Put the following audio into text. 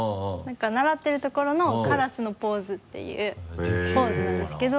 習ってるところのカラスのポーズっていうポーズなんですけど。